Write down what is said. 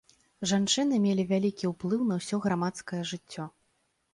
Жанчыны мелі вялікі ўплыў на ўсё грамадскае жыццё.